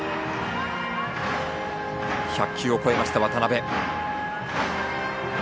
１００球を超えました、渡邊。